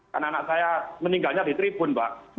karena anak saya meninggalnya di tribun mbak